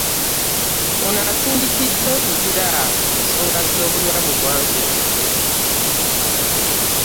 Ono asindikiddwa e Luzira ku nsonga z'okulya mu ggwanga lukwe.